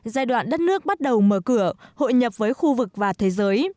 giai đoạn đất nước bắt đầu mở cửa hội nhập với khu vực và thế giới